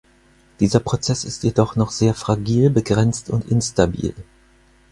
Dieser Prozess ist jedoch noch sehr fragil, begrenzt und instabil.